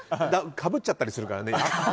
かぶっちゃったりするから。